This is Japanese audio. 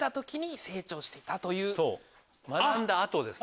学んだ後です。